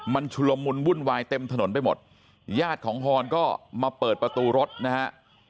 มันชุลมุนวุ่นวายเต็มถนนไปหมดญาติของฮอนก็มาเปิดประตูรถนะฮะ